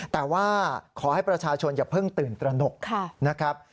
แต่ว่าขอให้ประชาชนอย่าเพิ่งตื่นตระหนกนะครับ